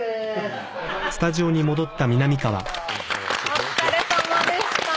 お疲れさまでした。